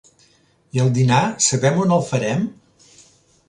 I el dinar sabem on el farem?